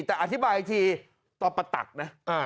แต่อธิบายอีกทีต่อประตักนะ